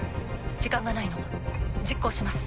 時間がないの。実行します。